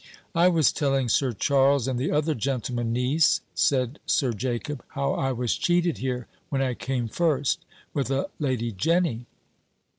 "I was telling Sir Charles and the other gentlemen, niece," said Sir Jacob, "how I was cheated here, when I came first, with a Lady Jenny."